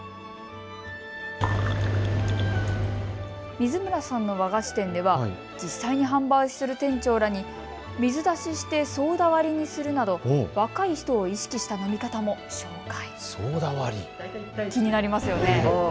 水村さんの和菓子店では実際に販売する店長らに水出ししてソーダ割りにするなど若い人を意識した飲み方も紹介。